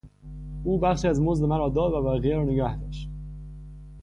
او بخشی از مزد مرا داد و بقیه را نگهداشت.